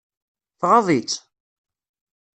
Tɣaḍ-itt?